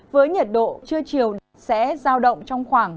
với nhiệt độ trưa chiều sẽ giao động trong khoảng